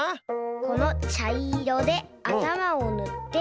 このちゃいろであたまをぬって。